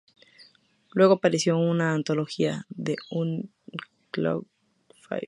Luego apareció en la antología "The Unknown Five".